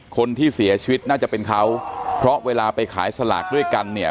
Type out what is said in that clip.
คนที่เสียชีวิตน่าจะเป็นเขาเพราะเวลาไปขายสลากด้วยกันเนี่ย